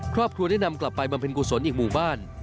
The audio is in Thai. ครอบครัวได้นำกลับไปบำเพ็ญกุศลอีกหมู่บ้าน